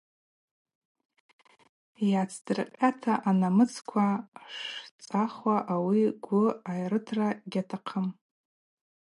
Йгӏацӏдыркъьата анамыцаква шцахуа ауи гвы айрытра гьатахъым.